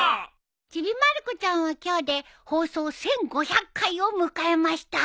『ちびまる子ちゃん』は今日で放送１，５００回を迎えました。